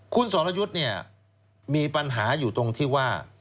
คุณสรยุทธ์เนี่ยมีปัญหาอยู่ตรงที่ว่า